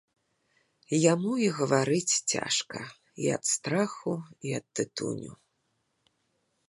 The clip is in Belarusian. Яму і гаварыць цяжка, і ад страху, і ад тытуню.